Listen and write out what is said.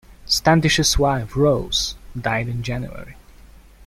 Standish's wife Rose died in January.